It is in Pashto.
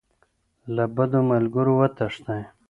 له بدو ملګرو وتښتئ.